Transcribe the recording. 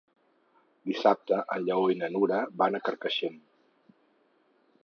Dissabte en Lleó i na Nura van a Carcaixent.